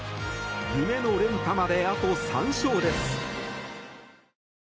夢の連覇まで、あと３勝です！